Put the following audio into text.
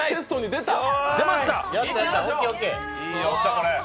出ました！